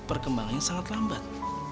perkembangan yang sangat lambat